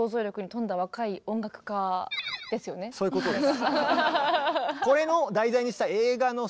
そういうことです。